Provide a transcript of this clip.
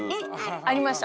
ありました。